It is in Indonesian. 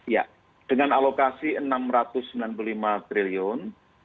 ya dengan alokasi rp enam ratus sembilan puluh lima triliun